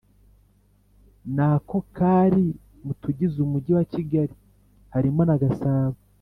Nako kari mu tugize Umujyi wa Kigali harimo na gasabo